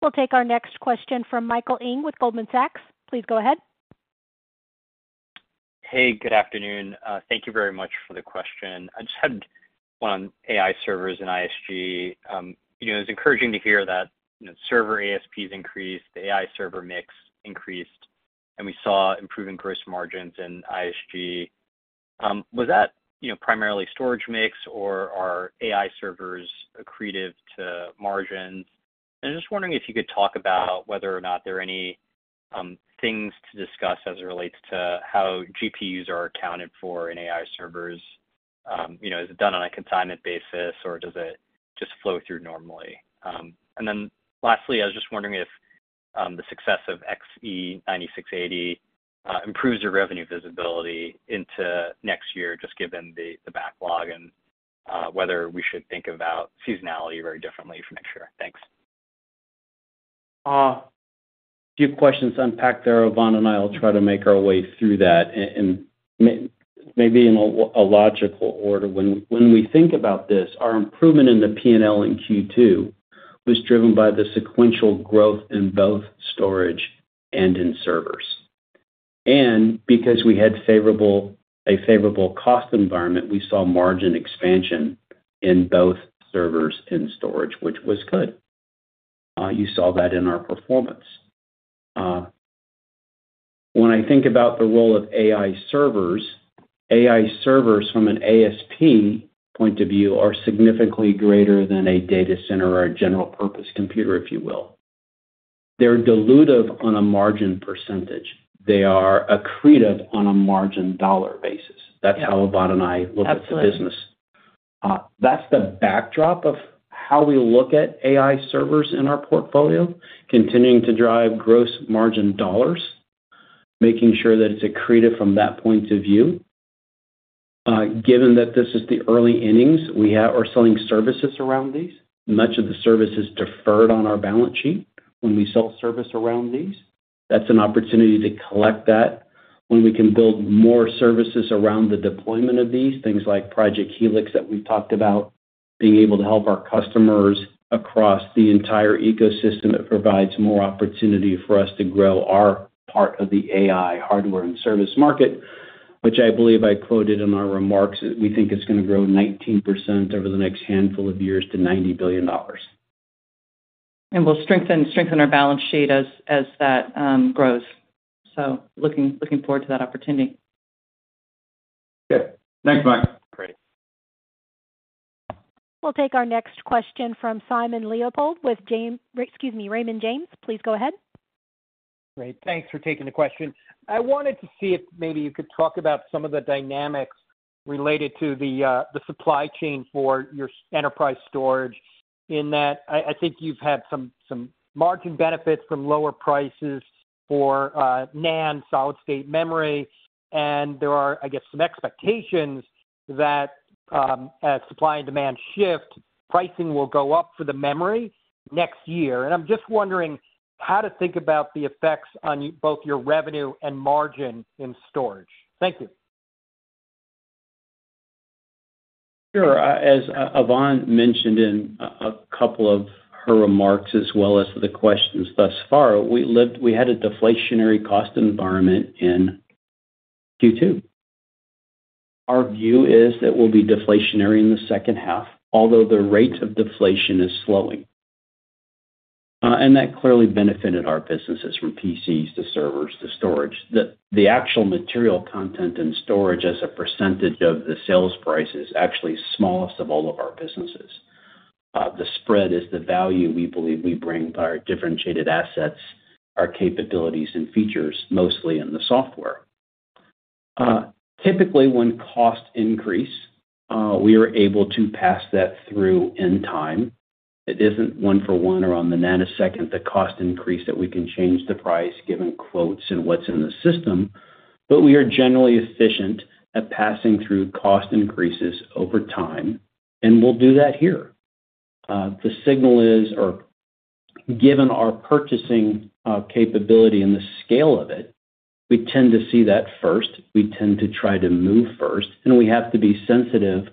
We'll take our next question from Michael Ng with Goldman Sachs. Please go ahead. Hey, good afternoon. Thank you very much for the question. I just had one on AI servers and ISG. You know, it's encouraging to hear that, you know, server ASPs increased, the AI server mix increased, and we saw improving gross margins in ISG. Was that, you know, primarily storage mix or are AI servers accretive to margins? And just wondering if you could talk about whether or not there are any things to discuss as it relates to how GPUs are accounted for in AI servers. You know, is it done on a consignment basis, or does it just flow through normally? And then lastly, I was just wondering if the success of XE9680 improves your revenue visibility into next year, just given the backlog and whether we should think about seasonality very differently for next year. Thanks. A few questions to unpack there. Yvonne and I will try to make our way through that and maybe in a logical order. When we think about this, our improvement in the P&L in Q2 was driven by the sequential growth in both storage and in servers. And because we had a favorable cost environment, we saw margin expansion in both servers and storage, which was good. You saw that in our performance. When I think about the role of AI servers, AI servers from an ASP point of view are significantly greater than a data center or a general purpose computer, if you will. They're dilutive on a margin percentage. They are accretive on a margin dollar basis. Yeah. That's how Yvonne and I look at the business. Absolutely. That's the backdrop of how we look at AI servers in our portfolio, continuing to drive gross margin dollars, making sure that it's accretive from that point of view. Given that this is the early innings, we are selling services around these. Much of the service is deferred on our balance sheet when we sell service around these. That's an opportunity to collect that. When we can build more services around the deployment of these, things like Project Helix that we've talked about, being able to help our customers across the entire ecosystem, it provides more opportunity for us to grow our part of the AI hardware and service market, which I believe I quoted in my remarks, that we think is going to grow 19% over the next handful of years to $90 billion. And we'll strengthen our balance sheet as that grows. So looking forward to that opportunity. Good. Thanks, Mike. Great. We'll take our next question from Simon Leopold with James—excuse me, Raymond James. Please go ahead. Great. Thanks for taking the question. I wanted to see if maybe you could talk about some of the dynamics related to the supply chain for your enterprise storage, in that I think you've had some margin benefits from lower prices for NAND solid-state memory, and there are, I guess, some expectations that as supply and demand shift, pricing will go up for the memory next year. I'm just wondering how to think about the effects on you both your revenue and margin in storage. Thank you. Sure. As Yvonne mentioned in a couple of her remarks, as well as the questions thus far, we had a deflationary cost environment in Q2. Our view is that we'll be deflationary in the second half, although the rate of deflation is slowing. And that clearly benefited our businesses, from PCs to servers to storage. The actual material content in storage as a percentage of the sales price is actually the smallest of all of our businesses. The spread is the value we believe we bring by our differentiated assets, our capabilities and features, mostly in the software. Typically, when costs increase, we are able to pass that through in time. It isn't one for one or on the nanosecond, the cost increase, that we can change the price, given quotes and what's in the system, but we are generally efficient at passing through cost increases over time, and we'll do that here. The signal is, or given our purchasing capability and the scale of it, we tend to see that first. We tend to try to move first, and we have to be sensitive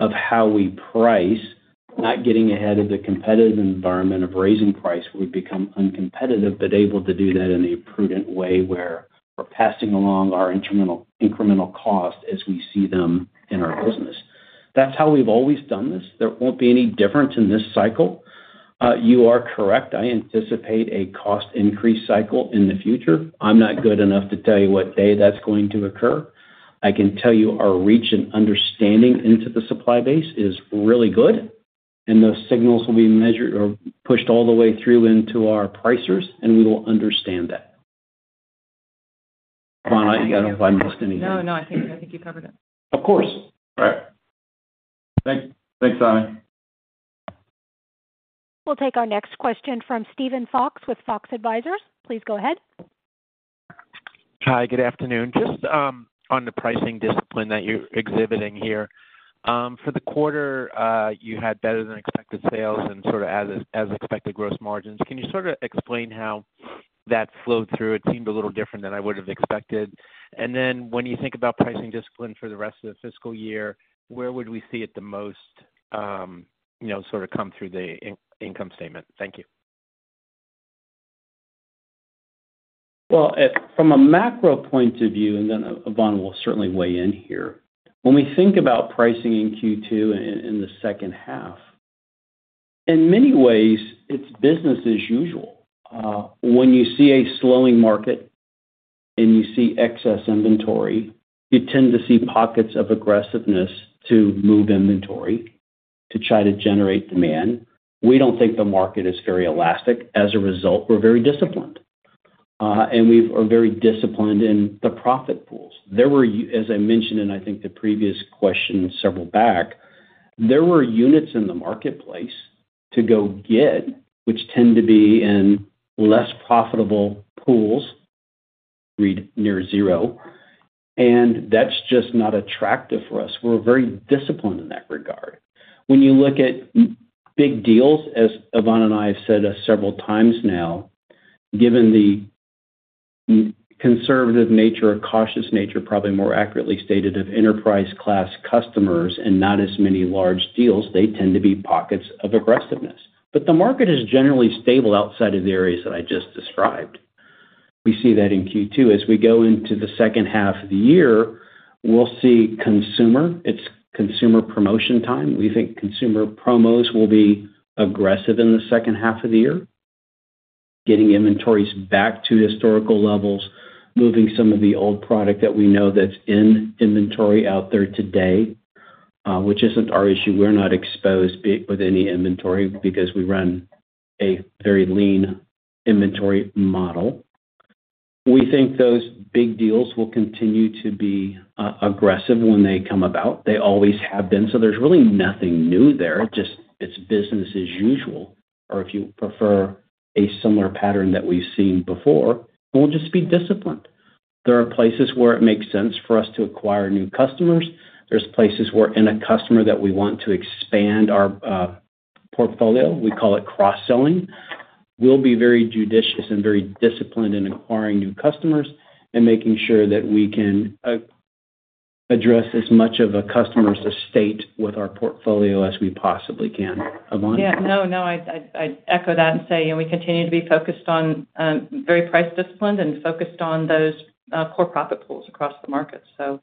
of how we price, not getting ahead of the competitive environment of raising price, we become uncompetitive, but able to do that in a prudent way, where we're passing along our incremental, incremental cost as we see them in our business. That's how we've always done this. There won't be any difference in this cycle. You are correct, I anticipate a cost increase cycle in the future. I'm not good enough to tell you what day that's going to occur. I can tell you our reach and understanding into the supply base is really good, and those signals will be measured or pushed all the way through into our pricers, and we will understand that. Yvonne, I don't know if I missed anything. No, no, I think, I think you covered it. Of course. All right. Thanks, Simon. We'll take our next question from Steven Fox, with Fox Advisors. Please go ahead. Hi, good afternoon. Just on the pricing discipline that you're exhibiting here. For the quarter, you had better-than-expected sales and sort of as expected, gross margins. Can you sort of explain how that flowed through? It seemed a little different than I would have expected. And then when you think about pricing discipline for the rest of the fiscal year, where would we see it the most, you know, sort of come through the income statement? Thank you. Well, from a macro point of view, and then Yvonne will certainly weigh in here. When we think about pricing in Q2 and in the second half, in many ways, it's business as usual. When you see a slowing market and you see excess inventory, you tend to see pockets of aggressiveness to move inventory, to try to generate demand. We don't think the market is very elastic. As a result, we're very disciplined. And we are very disciplined in the profit pools. There were, as I mentioned, and I think the previous question several back, there were units in the marketplace to go get, which tend to be in less profitable pools, read near zero, and that's just not attractive for us. We're very disciplined in that regard. When you look at big deals, as Yvonne and I have said several times now, given the conservative nature or cautious nature, probably more accurately stated, of enterprise-class customers and not as many large deals, they tend to be pockets of aggressiveness. But the market is generally stable outside of the areas that I just described. We see that in Q2. As we go into the second half of the year, we'll see consumer. It's consumer promotion time. We think consumer promos will be aggressive in the second half of the year, getting inventories back to historical levels, moving some of the old product that we know that's in inventory out there today, which isn't our issue. We're not exposed with any inventory because we run a very lean inventory model. We think those big deals will continue to be aggressive when they come about. They always have been, so there's really nothing new there. Just it's business as usual, or if you prefer, a similar pattern that we've seen before, and we'll just be disciplined. There are places where it makes sense for us to acquire new customers. There's places where in a customer that we want to expand our portfolio, we call it cross-selling. We'll be very judicious and very disciplined in acquiring new customers and making sure that we can address as much of a customer's estate with our portfolio as we possibly can. Yvonne? Yeah, no, no, I'd echo that and say, you know, we continue to be focused on very price disciplined and focused on those core profit pools across the market. So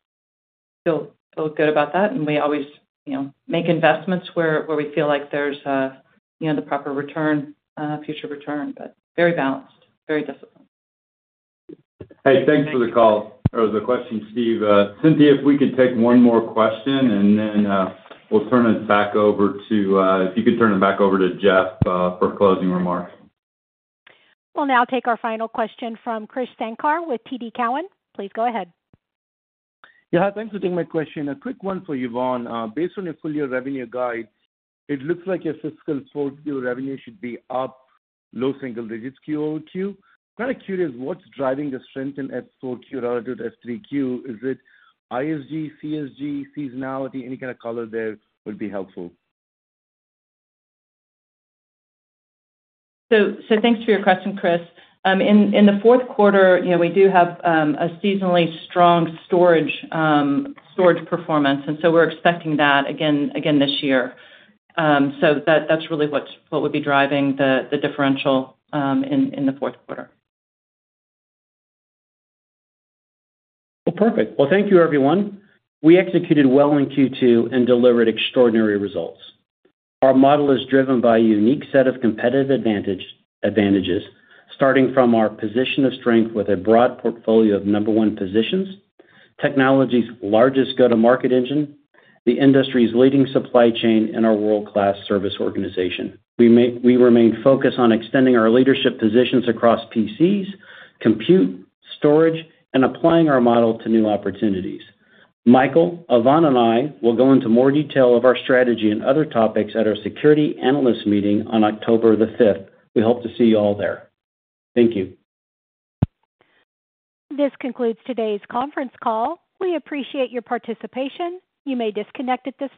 feel good about that, and we always, you know, make investments where we feel like there's a, you know, the proper return, future return, but very balanced, very disciplined. Hey, thanks for the call or the question, Steve. Cynthia, if we could take one more question, and then, we'll turn it back over to, if you could turn it back over to Jeff, for closing remarks. We'll now take our final question from Krish Sankar with TD Cowen. Please go ahead. Yeah, thanks for taking my question. A quick one for Yvonne. Based on your full year revenue guide, it looks like your fiscal fourth year revenue should be up low single digits QOQ. I'm kind of curious, what's driving the strength in F4Q relative to F3Q? Is it ISG, CSG, seasonality? Any kind of color there would be helpful. So, thanks for your question Krish. In the fourth quarter, you know, we do have a seasonally strong storage performance, and so we're expecting that again this year. So that, that's really what would be driving the differential in the fourth quarter. Well, perfect. Well, thank you, everyone. We executed well in Q2 and delivered extraordinary results. Our model is driven by a unique set of competitive advantage, advantages, starting from our position of strength with a broad portfolio of number one positions, technology's largest go-to-market engine, the industry's leading supply chain, and our world-class service organization. We remain focused on extending our leadership positions across PCs, compute, storage, and applying our model to new opportunities. Michael, Yvonne, and I will go into more detail of our strategy and other topics at our Securities Analyst Meeting on October the fifth. We hope to see you all there. Thank you. This concludes today's conference call. We appreciate your participation. You may disconnect at this time.